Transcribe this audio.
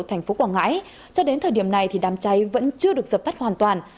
thành phố quảng ngãi cho đến thời điểm này đám cháy vẫn chưa được dập tắt hoàn toàn